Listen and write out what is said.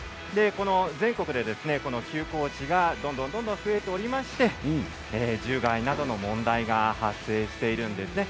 全国でこの休耕地がどんどんどんどん増えておりまして獣害などの問題が発生しているんです。